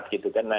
buik untuk rapat